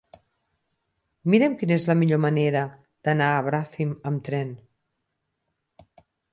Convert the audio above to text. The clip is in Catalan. Mira'm quina és la millor manera d'anar a Bràfim amb tren.